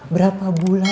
berapa bulan mbak